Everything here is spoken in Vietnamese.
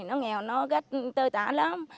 nó nghèo nó rất tư tả lắm